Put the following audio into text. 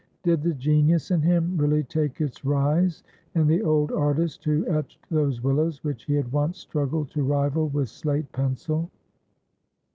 Did the genius in him really take its rise in the old artist who etched those willows which he had once struggled to rival with slate pencil?